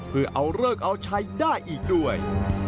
เพื่อเอาเลิกเอาใช้ได้อีกด้วย